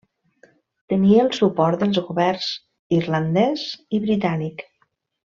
Tenia el suport dels governs irlandès i britànic.